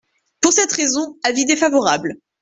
Pour cette raison, avis défavorable.